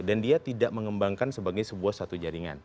dan dia tidak mengembangkan sebagai sebuah satu jaringan